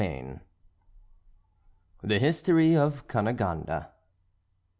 VIII THE HISTORY OF CUNEGONDE.